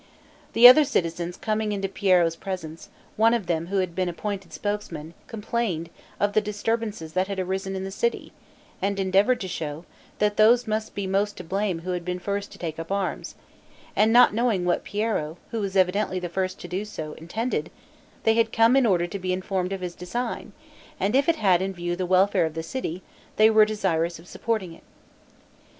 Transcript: The other citizens coming into Piero's presence, one of them who had been appointed spokesman, complained of the disturbances that had arisen in the city, and endeavored to show, that those must be most to blame who had been first to take up arms; and not knowing what Piero (who was evidently the first to do so) intended, they had come in order to be informed of his design, and if it had in view the welfare of the city, they were desirous of supporting it.